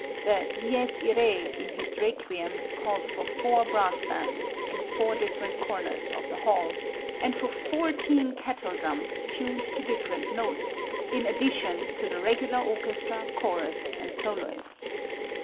The "Dies Irae" in his "Requiem" calls for four brass bands, in four different corners of the hall, and for fourteen kettledrums tuned to different notes, in addition to the regular orchestra, chorus and soloists.